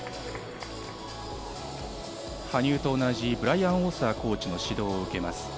羽生と同じブライアン・オーサーコーチの指導を受けます。